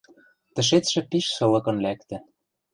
Тӹшецшӹ пиш сылыкын лӓктӹ.